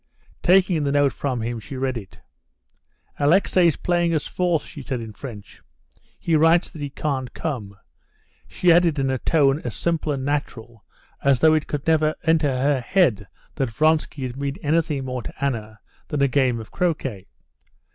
Taking the note from him, she read it. "Alexey's playing us false," she said in French; "he writes that he can't come," she added in a tone as simple and natural as though it could never enter her head that Vronsky could mean anything more to Anna than a game of croquet.